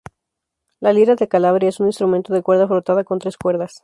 La lira de Calabria es un instrumento de cuerda frotada con tres cuerdas.